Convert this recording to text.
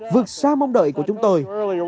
vượt xa mong đợi của chúng tôi